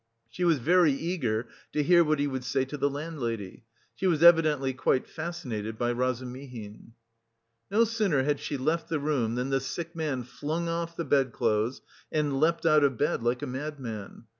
She was very eager to hear what he would say to the landlady. She was evidently quite fascinated by Razumihin. No sooner had she left the room than the sick man flung off the bedclothes and leapt out of bed like a madman.